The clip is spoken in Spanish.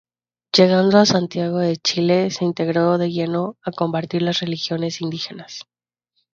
Llegado a Santiago de Chile se integró de lleno a combatir las rebeliones indígenas.